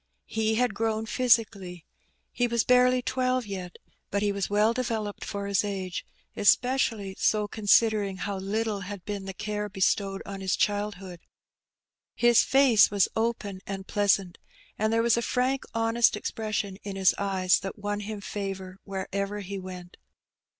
He had grown physically. He was bai'ely twelve yet, but he was well developed for his age; espe cially so considering how little had been the care bestowed on his childhood. His face was open and pleasant, and there was a frank honest expression in his eyes that won him favour wherever he went.